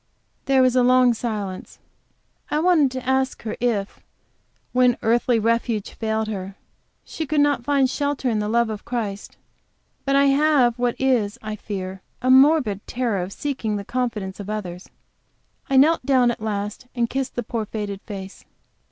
There was a long silence. I wanted to ask her if, when earthly refuge failed her, she could not find shelter in the love of Christ. But I have what is, I fear, a morbid terror of seeking the confidence of others. I knelt down at last, and kissed the poor faded face.